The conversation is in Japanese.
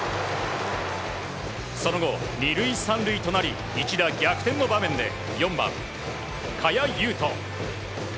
その後、２塁３塁となり一打逆転の場面で４番、賀谷勇斗。